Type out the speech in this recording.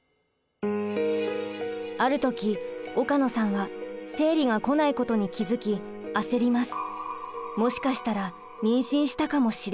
ある時岡野さんは生理がこないことに気付き焦ります。